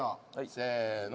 せの。